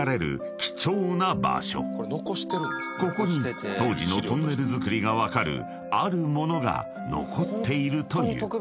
［ここに当時のトンネル造りが分かるあるものが残っているという］